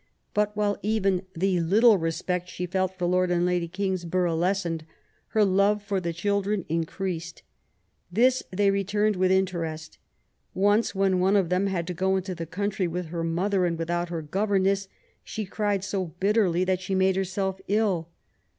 63 But while even the little respect she felt for Lord and Lady Kingsborough lessened, her love for the children increased. This they returned with interest. Once, when one of them had to go into the country with her mother and without her governess, she cried «o bitterly that she made herself ill.